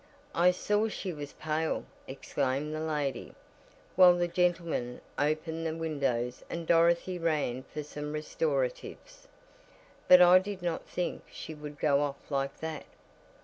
"I saw she was pale," exclaimed the lady, while the gentlemen opened the windows and Dorothy ran for some restoratives. "But I did not think she would go off like that."